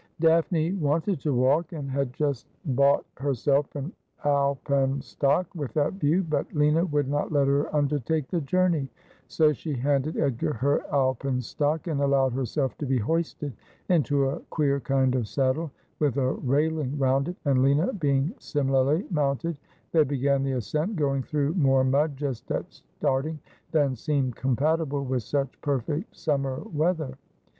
Daphne wanted to walk, and had just bought herself an alpenstock with that view, but Lina would not let her undertake the journey ; so she handed Edgar her alpenstock, and allowed herself to be hoisted into a queer kind of saddle, with a railing round it, and Lina being similarly mounted, they began the ascent, going through more mud, just at starting, than seemed compatible with such perfect summer weather.